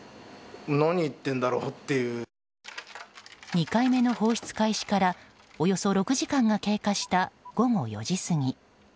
２回目の放出開始からおよそ６時間が経過した午後４時過ぎ。